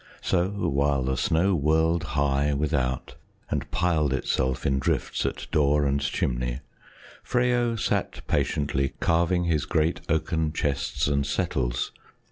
So while the snow whirled high without and piled itself in drifts at door and chimney, Freyo sat patiently carving his great oaken chests and settles.